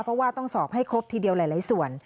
เพราะว่าต้องสอบให้ครบทีเดียวหลายส่วน